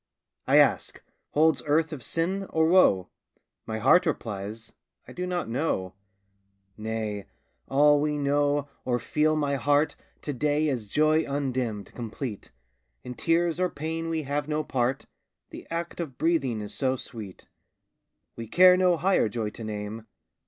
I ask, "Holds earth of sin, or woe?" My heart replies, "I do not know." Nay! all we know, or feel, my heart, To day is joy undimmed, complete; In tears or pain we have no part; The act of breathing is so sweet, We care no higher joy to name.